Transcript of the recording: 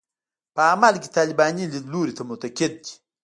په عمل کې طالباني لیدلوري ته معتقد دي.